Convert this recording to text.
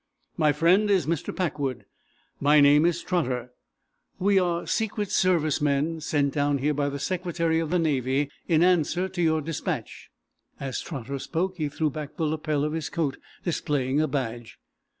My friend is Mr. Packwood; my name is Trotter. We are Secret Service men sent down here by the Secretary of the Navy, in answer to your dispatch." As Trotter spoke he threw back the lapel of his coat, displaying a badge.